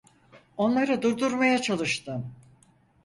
Onları durdurmaya çalıştım.